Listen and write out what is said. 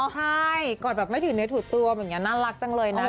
ใช่กอดแบบไม่ถือเนื้อถูกตัวแบบนี้น่ารักจังเลยนะ